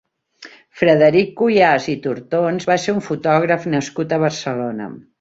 Frederic Cuyàs i Tortons va ser un fotògraf nascut a Barcelona.